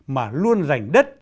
mà luôn dành đất